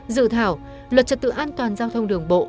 dự thảo luật trật tự an toàn giao thông đường bộ